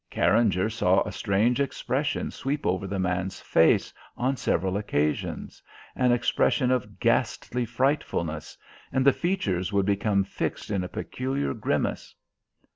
Carringer saw a strange expression sweep over the man's face on several occasions an expression of ghastly frightfulness, and the features would become fixed in a peculiar grimace.